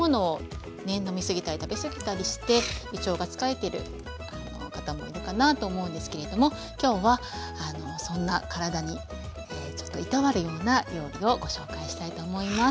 飲み過ぎたり食べ過ぎたりして胃腸が疲れている方もいるかなと思うんですけれども今日はそんな体にちょっといたわるような料理をご紹介したいと思います。